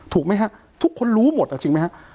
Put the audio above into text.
ถูกไหมฮะทุกคนรู้หมดอ่ะจริงไหมฮะ